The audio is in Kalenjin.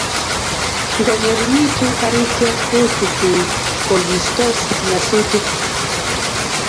Ngongeringitu garisiek kochuchukokistos nyasutik